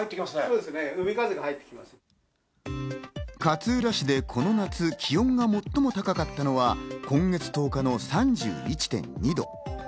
勝浦市でこの夏、気温が最も高かったのは、今月１０日の３１．２度。